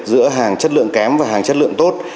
giữa hàng chất lượng kém và hàng chất lượng tốt